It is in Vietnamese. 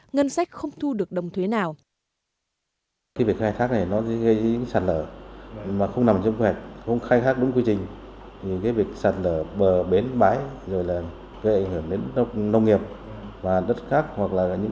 ngân sách không thu được đồng thuế nào